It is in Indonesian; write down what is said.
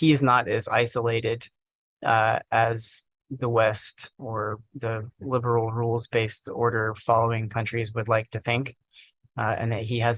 dia tidak se isolasi seperti negara negara yang mengikuti peraturan peraturan liberal